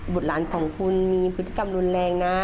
หลานของคุณมีพฤติกรรมรุนแรงนะ